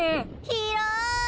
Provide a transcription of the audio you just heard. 広い。